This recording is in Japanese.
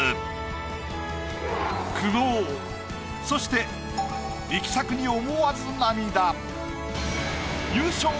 そして力作に思わず涙。